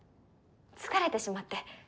疲れてしまって。